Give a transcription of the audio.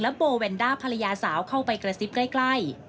โบแวนด้าภรรยาสาวเข้าไปกระซิบใกล้